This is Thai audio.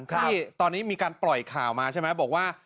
ที่ตอนนี้มีการปล่อยข่าวมาใช่ไหมบอกว่า